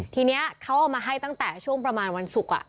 ทีนี้เขาเอามาให้ตั้งแต่ช่วงประมาณวันศุกร์